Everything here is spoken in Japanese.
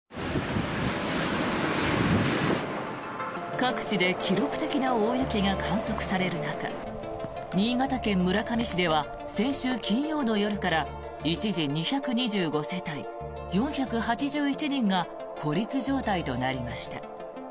各地で記録的な大雪が観測される中新潟県村上市では先週金曜の夜から一時２２５世帯４８１人が孤立状態となりました。